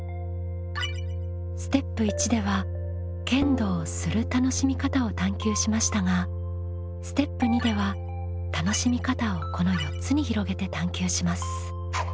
ステップ１では剣道をする楽しみ方を探究しましたがステップ２では楽しみ方をこの４つに広げて探究します。